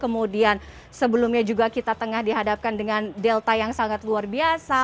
kemudian sebelumnya juga kita tengah dihadapkan dengan delta yang sangat luar biasa